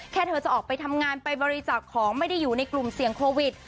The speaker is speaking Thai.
เธอจะออกไปทำงานไปบริจาคของไม่ได้อยู่ในกลุ่มเสี่ยงโควิด